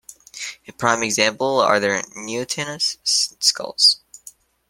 A prime example are their neotenous skulls.